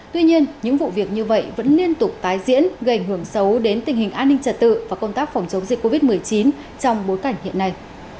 tuy nhiên những vụ việc như vậy vẫn liên tục tái diễn gây ảnh hưởng xấu đến tình hình an ninh trật tự và công tác phòng chống dịch covid một mươi chín trong bối cảnh hiện nay